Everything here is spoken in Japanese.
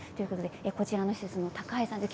こちらの施設の高橋さんです。